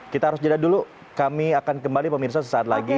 kita harus jeda dulu kami akan kembali pemirsa sesaat lagi